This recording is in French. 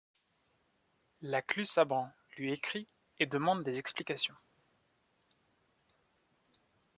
La Clue-Sabran lui écrit et demande des explications.